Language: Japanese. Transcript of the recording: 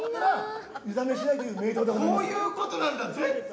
こういうことなんだ。